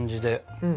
うん。